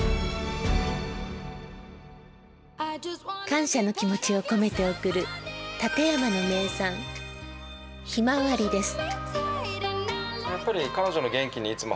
感謝の気持ちを込めて贈る館山の名産、ひまわりです。